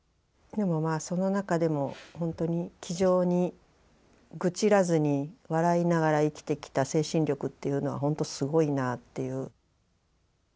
その中でも本当に気丈に愚痴らずに笑いながら生きてきた精神力っていうのはほんとすごいなっていう。